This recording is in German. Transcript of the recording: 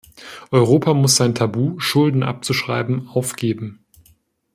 Europa muss sein Tabu, Schulden abzuschreiben, aufgeben.